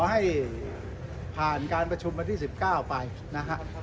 ตำแหน่งคนอื่นก็ขอให้ผ่านการประชุมวันที่๑๙ไปนะครับ